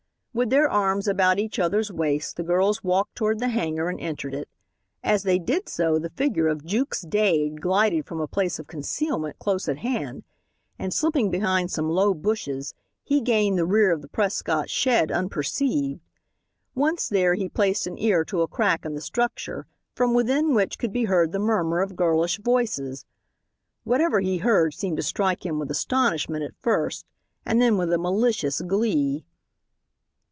With their arms about each other's waists the girls walked toward the hangar and entered it. As they did so the figure of Jukes Dade glided from a place of concealment close at hand, and slipping behind some low bushes he gained the rear of the Prescott shed unperceived. Once there he placed an ear to a crack in the structure, from within which could be heard the murmur of girlish voices. Whatever he heard seemed to strike him with astonishment at first and then with a malicious glee.